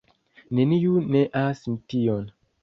Neniu neas tion.